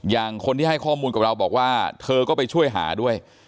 อย่างคนที่ให้ข้อมูลกับเราบอกว่าเธอก็ไปช่วยหาด้วย